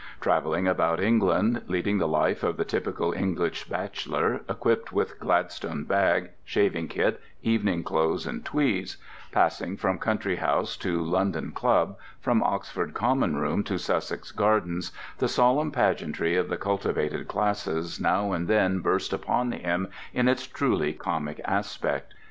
Travelling about England, leading the life of the typical English bachelor, equipped with gladstone bag, shaving kit, evening clothes and tweeds; passing from country house to London club, from Oxford common room to Sussex gardens, the solemn pageantry of the cultivated classes now and then burst upon him in its truly comic aspect.